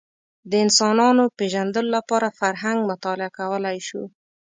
د انسانانو پېژندلو لپاره فرهنګ مطالعه کولی شو